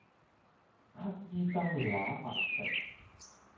乞兒兜揦飯食